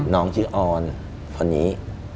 น้องชื่อออนคนนี้